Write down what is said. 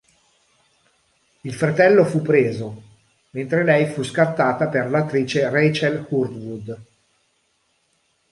Il fratello fu preso, mentre lei fu scartata per l'attrice Rachel Hurd-Wood.